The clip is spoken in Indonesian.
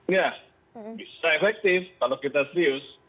ya bisa efektif kalau kita serius